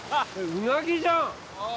うなぎじゃんああ